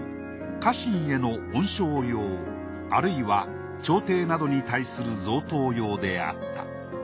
家臣への恩賞用あるいは朝廷などに対する贈答用であった。